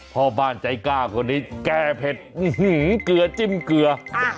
พ่อบ้านใจกล้าคนนี้แก้เผ็ดเกลือจิ้มเกลือ